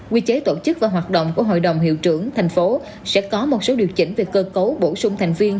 quy chế tổ chức và hoạt động của hội đồng hiệu trưởng thành phố sẽ có một số điều chỉnh về cơ cấu bổ sung thành viên